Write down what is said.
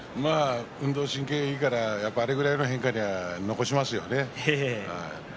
運動神経がいいからあれくらいの変化では残しますね。